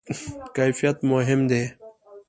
کیفیت مهم دی